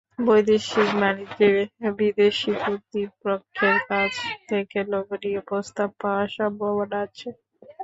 বৈদেশিক বাণিজ্যে বিদেশি প্রতিপক্ষের কাছ থেকে লোভনীয় প্রস্তাব পাওয়ার সম্ভাবনা আছে।